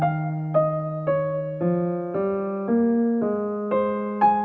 thì chắc chắn không phải là